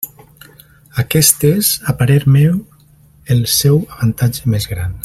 Aquest és, a parer meu, el seu avantatge més gran.